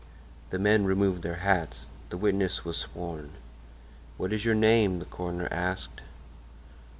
The men removed their hats. The witness was sworn. "What is your name?" the coroner asked.